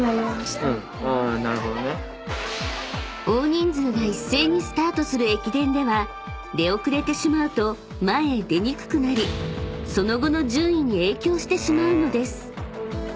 ［大人数が一斉にスタートする駅伝では出遅れてしまうと前へ出にくくなりその後の順位に影響してしまうのです］